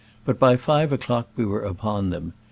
But by five o'clock we were upon them.